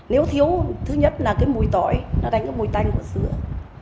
nếu thiếu thứ nhất là cái mùi tỏi nó đánh cái mùi tanh của sứa